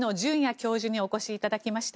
教授にお越しいただきました。